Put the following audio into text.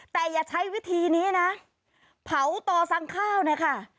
แต่อย่าใช้วิธีนี้นะเผาต่อสั่งข้าวนะคะ